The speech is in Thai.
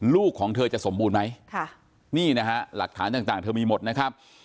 ลูกของเธอจะสมบูรณ์ไหมค่ะนี่นะฮะหลักฐานต่างเธอมีหมดนะครับ